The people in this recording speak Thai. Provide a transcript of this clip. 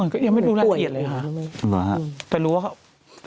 ก็ยังไม่รู้รายละเอียดเลยฮะ